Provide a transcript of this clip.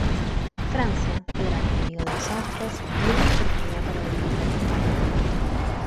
Francia, el gran enemigo de los Austrias, vio una oportunidad para debilitar a España.